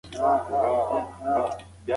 د کار او دمې ترمنځ توازن وساته